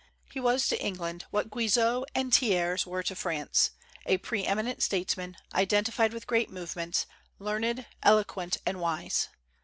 He was to England what Guizot and Thiers were to France, a pre eminent statesman, identified with great movements, learned, eloquent, and wise.